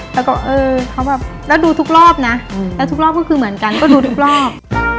แล้วก็เออเขาแบบแล้วดูทุกรอบนะแล้วทุกรอบก็คือเหมือนกันก็ดูทุกรอบ